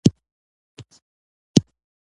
هم صايم د رمضان وي هم زکات کاندي ادا